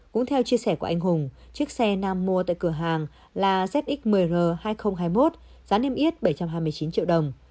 cũng theo chia sẻ của anh hùng chiếc xe nam mua tại cửa hàng là zx một mươir hai nghìn hai mươi một giá niêm yết bảy trăm hai mươi chín triệu đồng